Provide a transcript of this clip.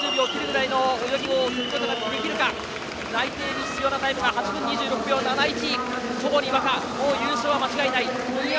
内定に必要なタイムは８分２６秒７１。